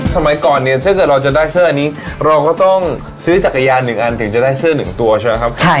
สมัยก่อนเนี่ยเชื่อเกิดเราจะได้เสื้ออันนี้